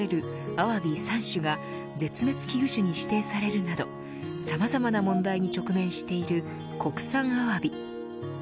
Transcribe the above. アワビ３種が絶滅危惧種に指定されるなどさまざまな問題に直面している国産アワビ。